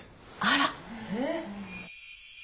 あら。